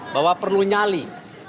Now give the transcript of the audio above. bahwa perlu nyali